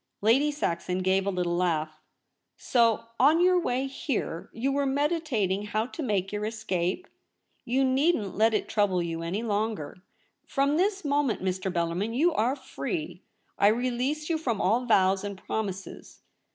Lady Saxon gave a little laugh. ' So, on your way here you were meditating how to make your escape ? You needn't let it trouble you any longer. From this moment, Mr. Bellarmin, you are free. I release you from all vows and promises.